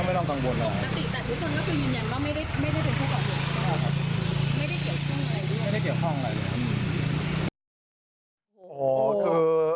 โอ้โฮคือ